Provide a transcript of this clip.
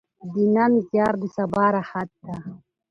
د نن زیار د سبا راحت ده.